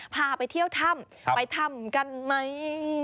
พาไปเที่ยวถ้ำไปถ้ำกันไหม